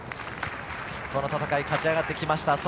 この戦いを勝ち上がってきました。